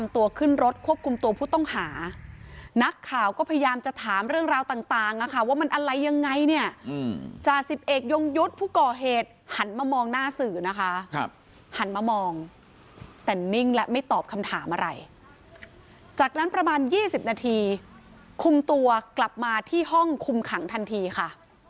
ตัวขึ้นรถควบคุมตัวผู้ต้องหานักข่าวก็พยายามจะถามเรื่องราวต่างนะคะว่ามันอะไรยังไงเนี่ยจ่าสิบเอกยงยุทธ์ผู้ก่อเหตุหันมามองหน้าสื่อนะคะหันมามองแต่นิ่งและไม่ตอบคำถามอะไรจากนั้นประมาณ๒๐นาทีคุมตัวกลับมาที่ห้องคุมขังทันทีค่ะ